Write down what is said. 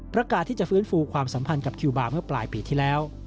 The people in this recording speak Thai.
ประกาศที่จะฟื้นฟูความสัมพันธ์กับคิวบาร์เมื่อปลายปีที่แล้ว